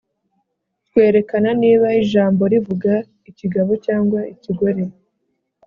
twerekana niba ijambo rivuga ikigabo cyangwa ikigore,